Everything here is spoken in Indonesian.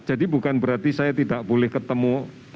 jadi bukan berarti saya tidak boleh ketemu